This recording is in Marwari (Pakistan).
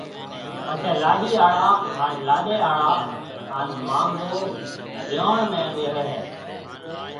پچيَ لاڏِي آݪا ھان لاڏيَ آݪا ھان مانگو ريوڻ ۾ ٻيھيََََ ھيََََ